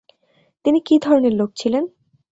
তিনি কি ধরনের লোক ছিলেন?